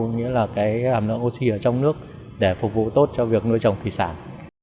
nghĩa là cái hàm lượng oxy ở trong nước để phục vụ tốt cho việc nuôi trồng thủy sản